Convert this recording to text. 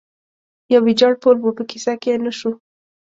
یو ویجاړ پل و، په کیسه کې یې نه شو.